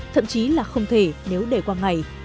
thậm chí là không thể nếu để qua ngày